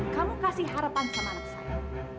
kamu kasih harapan sama anak saya